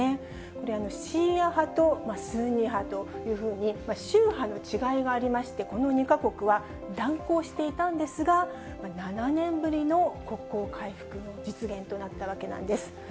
これ、シーア派とスンニ派という宗派の違いがありまして、この２か国は、断交していたんですが、７年ぶりの国交回復の実現となったわけなんです。